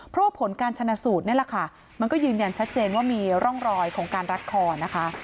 เพราะว่าผลการชนะสูตรนี่แหละค่ะมันก็ยืนยันชัดเจนว่ามีร่องรอยของการรัดคอนะคะ